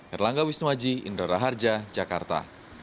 erlangga wisnuaji indra raharja jakarta